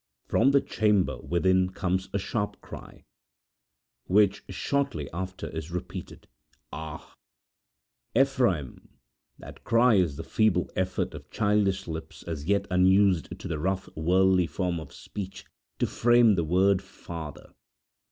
From the chamber within comes a sharp cry, which shortly after is repeated. Ah! Ephraim, that cry is the feeble effort of childish lips as yet unused to the rough, worldly form of speech to frame the word 'father'.